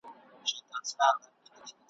په سجدو به دي په پښو کي زوړ او ځوان وي `